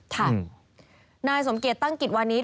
ค่ะนายสมเกตตั้งกิจวันนี้